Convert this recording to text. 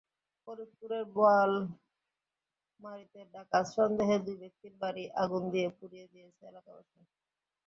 ফরিদপুরের বোয়ালমারীতে ডাকাত সন্দেহে দুই ব্যক্তির বাড়ি আগুন দিয়ে পুড়িয়ে দিয়েছে এলাকাবাসী।